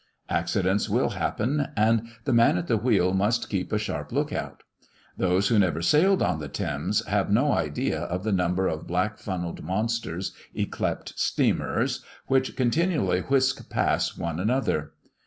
Accidents will happen; and the man at the wheel must keep a sharp look out. Those who never sailed on the Thames, have no idea of the number of black funnelled monsters, yclept steamers, which continually whisk past one another.